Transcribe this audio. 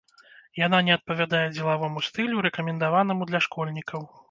Яна не адпавядае дзелавому стылю, рэкамендаванаму для школьнікаў.